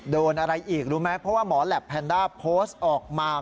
โดนอะไรอีกรู้ไหมเพราะว่าหมอแหลปแพนด้าโพสต์ออกมา